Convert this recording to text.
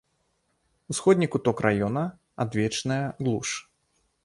Усходні куток раёна, адвечная глуш.